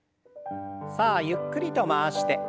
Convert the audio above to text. さあゆっくりと回して。